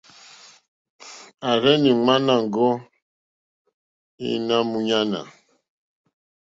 À rzɛ́nɛ̀ ŋmánà ŋɡó ǃéní múɲánà,.